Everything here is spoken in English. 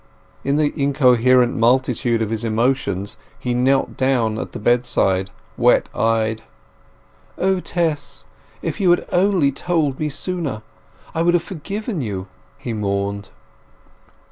In the incoherent multitude of his emotions he knelt down at the bedside wet eyed. "O Tess! If you had only told me sooner, I would have forgiven you!" he mourned.